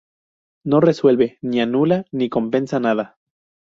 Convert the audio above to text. No resuelve, ni anula, ni compensa nada.